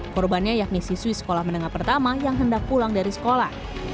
korbannya yakni siswi sekolah menengah pertama yang hendak pulang dari sekolah